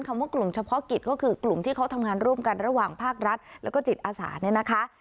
ว่ากลุ่มเฉพาะกิจก็คือกลุ่มที่เขาทำงานร่วมกันระหว่างภาครัฐแล้วก็จิตอาสาเนี่ยนะคะ